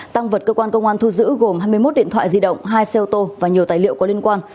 tăng vật cơ quan công an thu giữ gồm hai mươi một điện thoại di động hai xe ô tô và nhiều tài liệu có liên quan